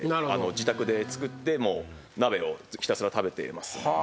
自宅で作って鍋をひたすら食べてますね。